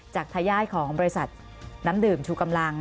ทายาทของบริษัทน้ำดื่มชูกำลัง